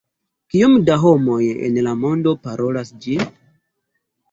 Kiom da homoj en la mondo parolas ĝin?